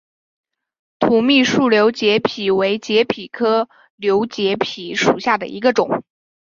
土蜜树瘤节蜱为节蜱科瘤节蜱属下的一个种。